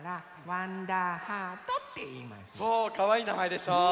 そうかわいいなまえでしょ！ねえ！